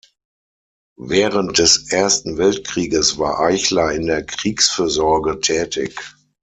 Während des Ersten Weltkrieges war Eichler in der Kriegsfürsorge tätig.